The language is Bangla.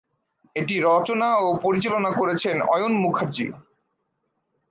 এটি রচনা এবং পরিচালনা করেছেন অয়ন মুখার্জি।